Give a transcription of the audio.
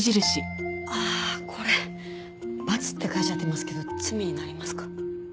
あっこれバツって書いちゃってますけど罪になりますか？